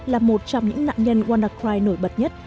là một trong những nạn nhân wannacry nổi bật nhất